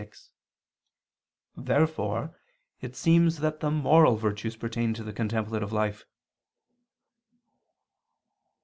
Therefore it seems that the moral virtues pertain to the contemplative life.